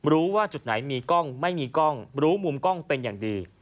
รู้ว่าจุดไหนมีกล้องไม่มีกล้องรู้มุมกล้องเป็นอย่างดี